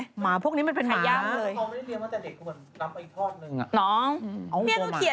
หมาพวกนี้มันเป็นมาย่ามเลย